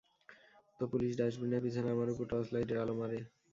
তো পুলিশ ডাস্টবিনের পিছনে আমার উপর টর্চলাইটের আলো মারে।